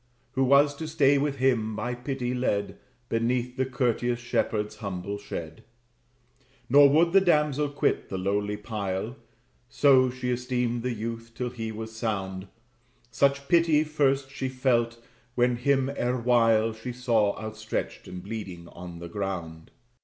Who was to stay with him, by pity led, Beneath the courteous shepherd's humble shed. Nor would the damsel quit the lowly pile (So she esteemed the youth) till he was sound; Such pity first she felt, when him erewhile She saw outstretched and bleeding on the ground.